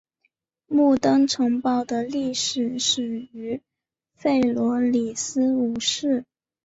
木登城堡的历史始于弗罗里斯五世。